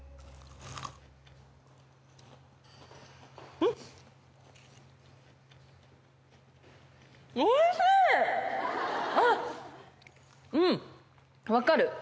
うん分かる。